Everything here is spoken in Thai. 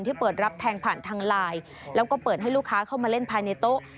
เปิดรับแทงผ่านทางไลน์แล้วก็เปิดให้ลูกค้าเข้ามาเล่นภายในโต๊ะ